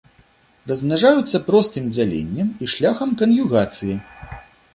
Размнажаюцца простым дзяленнем і шляхам кан'югацыі.